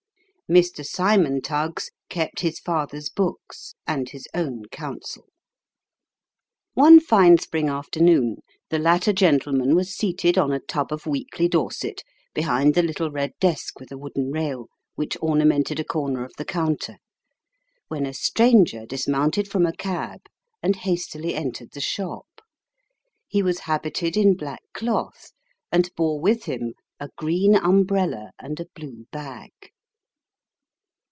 Mr. Simon Tuggs kept his father's books, and his own counsel. One fine spring afternoon, the latter gentleman was seated on a tub of weekly Dorset, behind the little red desk Avith a wooden rail, which ornamented a corner of the counter ; when a stranger dismounted from a cab, and hastily entered the shop. He was habited in black cloth, and bore with him, a green umbrella, and a blue bag.